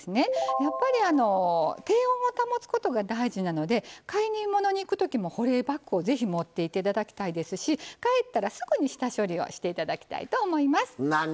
やっぱり低温を保つことが大事なので買い物に行くときも保冷バッグをぜひ持っていただきたいですし帰ったらすぐに下処理をしていただきたいと思います。